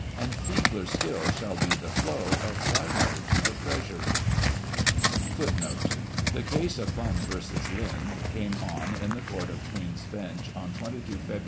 And feebler Still shall be the flow Of rhino to the treasury. * The case of Bunn v, Lind came on, in the Court of Queen's Bench, on 22 Feb.